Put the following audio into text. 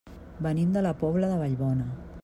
Venim de la Pobla de Vallbona.